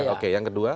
oke yang kedua